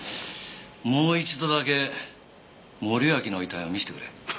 もう一度だけ森脇の遺体を見せてくれ。